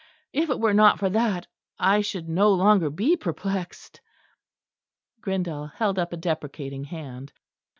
If it were not for that, I should no longer be perplexed." Grindal held up a deprecating hand.